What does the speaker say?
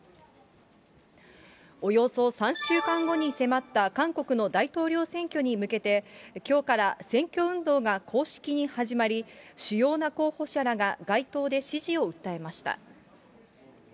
およそ３週間後に迫った韓国の大統領選挙に向けて、きょうから選挙運動が公式に始まり、主要な候補者らが、街頭で支持を訴えました。